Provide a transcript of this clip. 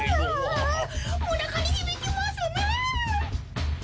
おなかにひびきますね。